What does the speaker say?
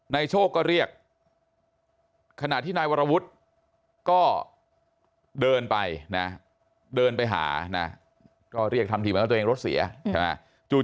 นายโชคก็เรียกขณะที่นายวรวุฒิก็เดินไปนะเดินไปหานะก็เรียกทำทีเหมือนว่าตัวเองรถเสียใช่ไหม